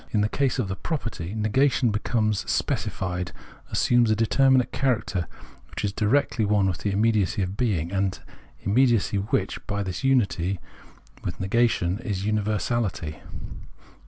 In the case of the property, Perception 109 negation becomes specified, assumes a determinate character, which is directly one with the inxmediacy of being, an immediacy which, by this unity with negation, is universahty.